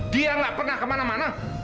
dia nggak pernah kemana mana